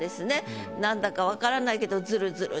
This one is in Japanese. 何だか分からないけど。